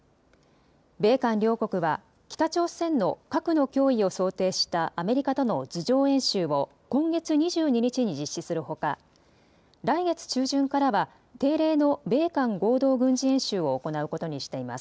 米韓両国は北朝鮮の核の脅威を想定したアメリカとの図上演習を今月２２日に実施するほか来月中旬からは定例の米韓合同軍事演習を行うことにしています。